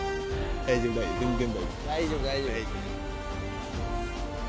大丈夫、大丈夫。